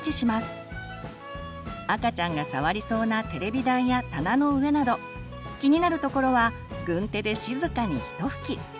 赤ちゃんが触りそうなテレビ台や棚の上など気になる所は軍手で静かにひと拭き！